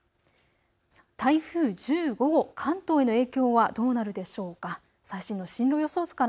台風１５号、関東への影響はどうなるでしょうか。